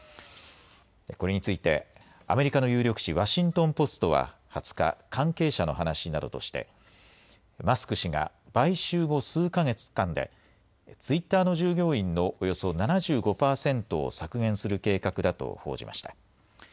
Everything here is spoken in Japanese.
これについてアメリカの有力紙、ワシントン・ポストは２０日、関係者の話などとしてマスク氏が買収後、数か月間でツイッターの従業員のおよそ７５％を削減する計画だと報じました。